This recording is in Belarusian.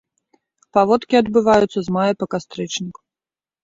Паводкі адбываюцца з мая па кастрычнік.